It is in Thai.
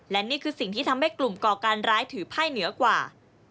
และนี่คือสิ่งที่ทำให้กลุ่มก่อการร้ายถือไพ่เหนือกว่า